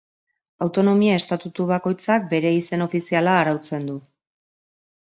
Autonomia estatutu bakoitzak bere izen ofiziala arautzen du.